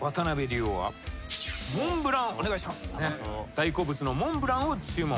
大好物のモンブランを注文。